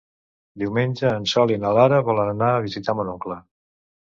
Diumenge en Sol i na Lara volen anar a visitar mon oncle.